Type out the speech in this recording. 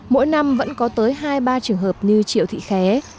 mỗi năm vẫn có tới hai ba trường hợp như triệu thị khé